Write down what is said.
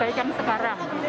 kalau hujan banjir